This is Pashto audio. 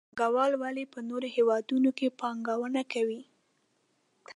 پانګوال ولې په نورو هېوادونو کې پانګونه کوي؟